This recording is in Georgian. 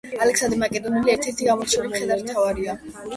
ალექსანდრე მაკედონელი ერთ ერთი გამორჩეული მხედართმთავარია